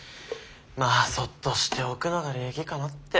まあそっとしておくのが礼儀かなって。